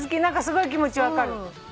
何かすごい気持ち分かる。